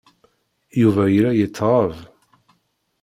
Yuba yella yettɣab.